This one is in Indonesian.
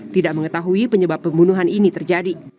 tidak mengetahui penyebab pembunuhan ini terjadi